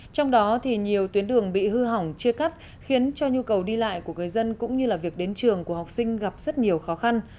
trong đó thì nhiều tuyến đường bị hư hỏng chia cắt khiến cho nhu cầu đi lại của người dân cũng như là việc đến trường của học sinh gặp rất nhiều khó khăn